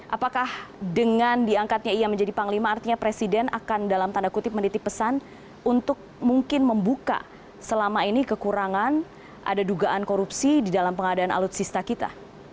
apakah dengan diangkatnya ia menjadi panglima artinya presiden akan dalam tanda kutip menitip pesan untuk mungkin membuka selama ini kekurangan ada dugaan korupsi di dalam pengadaan alutsista kita